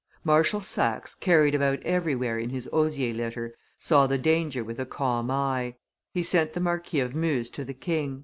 Marshal Saxe, carried about everywhere in his osier litter, saw the danger with a calm eye; he sent the Marquis of Meuse to the king.